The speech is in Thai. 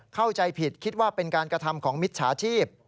เข้าใจผิดคิดว่าเป็นการกระทำของมิจฉาชีพ